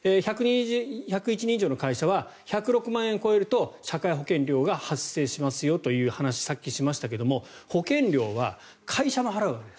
１０１人以上の会社は１０６万円を超えると社会保険料が発生しますよという話をさっきしましたが保険料は会社が払うわけです。